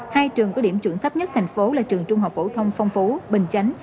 hai trường có điểm chuẩn thấp nhất thành phố là trường trung học phổ thông phong phú bình chánh